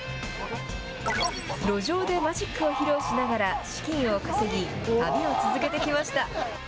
路上でマジックを披露しながら資金を稼ぎ、旅を続けてきました。